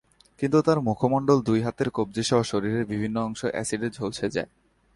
কিন্তু তাঁর মুখমণ্ডল, দুই হাতের কবজিসহ শরীরের বিভিন্ন অংশ অ্যাসিডে ঝলসে যায়।